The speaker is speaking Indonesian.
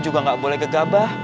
juga nggak boleh gegabah